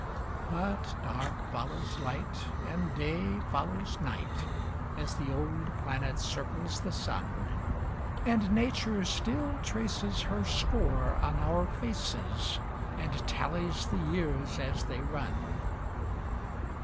But dark follows light And day follows night As the old planet circles the sun; And nature still traces Her score on our faces And tallies the years as they run.